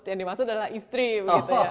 yang dimaksud adalah istri begitu ya